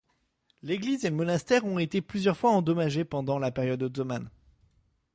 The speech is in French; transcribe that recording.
L’église et le monastère ont été plusieurs fois endommagés pendant la période ottomane.